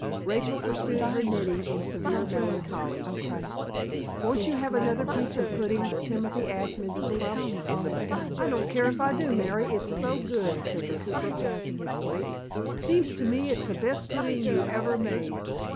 Rachel pursued her knitting, in severe melancholy. "Won't you have another piece of pudding, Timothy?" asked Mrs. Crump. "I don't care if I do, Mary, it's so good," said the cooper, passing his plate. "Seems to me it's the best pudding you ever made."